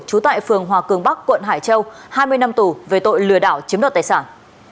trú tại phường hòa cường bắc quận hải châu hai mươi năm tù về tội lừa đảo chiếm đoạt tài sản